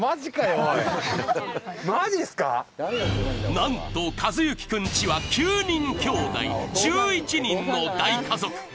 なんと、寿志君の家は９人きょうだい、１１人の大家族。